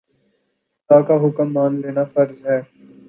خدا کا حکم مان لینا فرض ہے